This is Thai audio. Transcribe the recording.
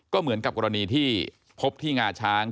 ก็เหมือนกับกรณีที่พบที่งาช้าง